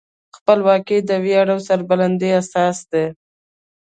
خپلواکي د ویاړ او سربلندۍ اساس دی.